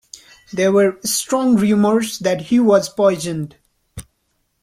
There were strong rumors that he was poisoned.